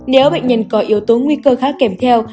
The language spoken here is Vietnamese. nếu bệnh nhân có yếu tố nguy cơ khác kèm theo